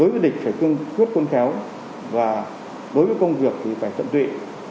và đối với công việc thì phải tận tụy